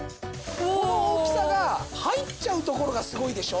この大きさが入っちゃうところがすごいでしょ？